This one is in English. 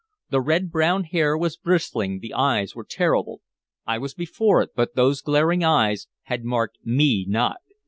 The red brown hair was bristling, the eyes were terrible. I was before it, but those glaring eyes had marked me not.